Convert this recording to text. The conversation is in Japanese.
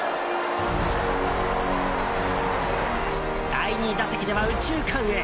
第２打席では右中間へ。